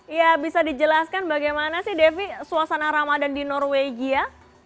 ya bisa dijelaskan bagaimana sih devi suasana ramadan di norwegia